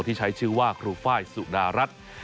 ที่ใช้ชื่อว่าครูไฟล์สุดารัฐ